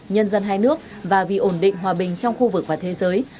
nhân dân hai nước và vì ổn định hòa bình trong khu vực và thế giới